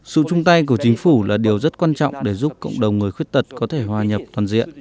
sự chung tay của chính phủ là điều rất quan trọng để giúp cộng đồng người khuyết tật có thể hòa nhập toàn diện